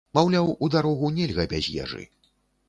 Маўляў, у дарогу нельга без ежы.